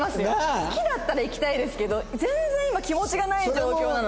好きだったら行きたいですけど全然今気持ちがない状況なのに。